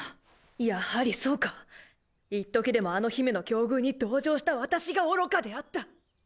やはりそうか一時でもあの姫の境遇に同情した私が愚かであった。